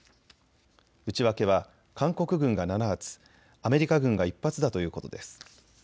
内訳は韓国軍が７発、アメリカ軍が１発だということです。